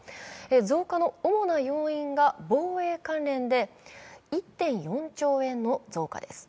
増加の主な要因が防衛関連で１．４兆円の増加です。